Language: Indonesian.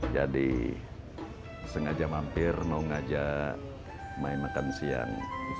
jadi sengaja mampir mau ngajak mai makan siang